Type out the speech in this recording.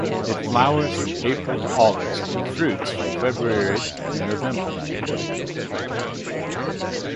It flowers from April to August and fruits from February to November.